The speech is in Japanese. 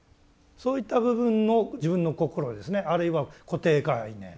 そういった部分の自分の心をですねあるいは固定概念